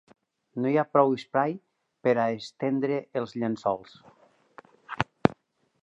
No hi ha prou espai per a estendre els llençols.